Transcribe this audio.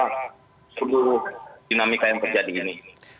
seluruh dinamika yang terjadi ini